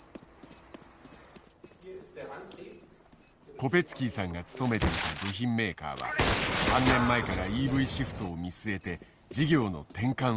コペツキーさんが勤めていた部品メーカーは３年前からＥＶシフトを見据えて事業の転換を始めていた。